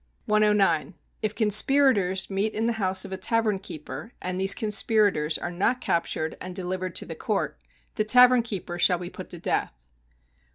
109. If conspirators meet in the house of a tavern keeper, and these conspirators are not captured and delivered to the court, the tavern keeper shall be put to death.